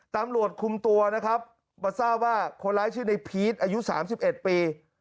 ตำรวจคุมตัวนะครับมาทราบว่าคนร้ายชื่อในพีชอายุ๓๑ปี